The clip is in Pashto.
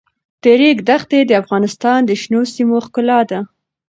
د ریګ دښتې د افغانستان د شنو سیمو ښکلا ده.